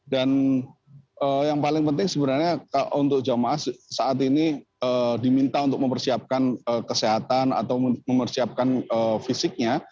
dan yang paling penting sebenarnya untuk jamaah saat ini diminta untuk mempersiapkan kesehatan atau mempersiapkan fisiknya